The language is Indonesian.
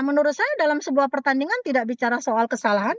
menurut saya dalam sebuah pertandingan tidak bicara soal kesalahan